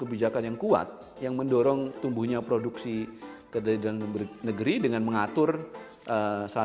kebijakan yang kuat yang mendorong tumbuhnya produksi kedai dan negeri dengan mengatur salah